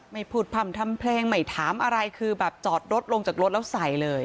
ไม่พูดพร่ำทำเพลงไม่ถามอะไรคือแบบจอดรถลงจากรถแล้วใส่เลย